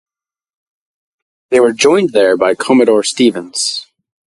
They were joined there by Commodore Stevens.